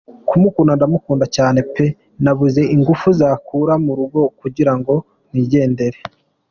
Kumukunda ndamukunda cyane peeee nabuze ingufu zankura mu rugo kugirango nigendere .